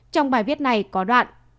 trong bài viết này có đoạn